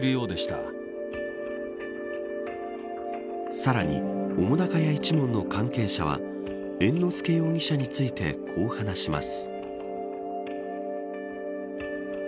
さらに、澤瀉屋一門の関係者は猿之助容疑者についてこう話します。